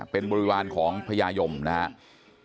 เป็นบริวารของพญายมนะครับ